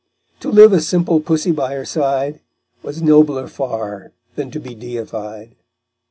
To live a simple pussy by her side Was nobler far than to be deified_.